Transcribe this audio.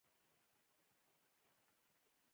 د هاضمې د جهاز ډېرې ناروغۍ له ناپاکو خوړو څخه منځته راځي.